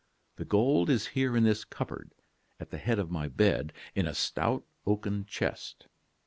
The gold is here in this cupboard, at the head of my bed, in a stout oaken chest.